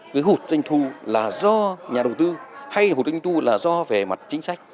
cái hụt doanh thu là do nhà đầu tư hay hụt doanh thu là do về mặt chính sách